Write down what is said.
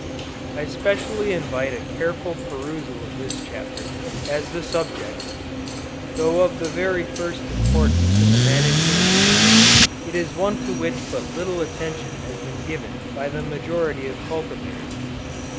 I specially invite a careful perusal of this chapter, as the subject, though of the very first importance in the management of bees, is one to which but little attention has been given by the majority of cultivators.